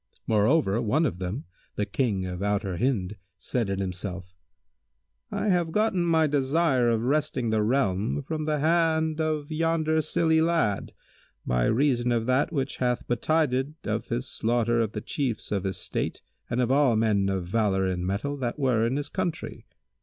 Moreover, one of them, the King of Outer Hind, said in himself, "I have gotten my desire of wresting the realm from the hand of yonder silly lad, by reason of that which hath betided of his slaughter of the Chiefs of his State and of all men of valour and mettle that were in his country.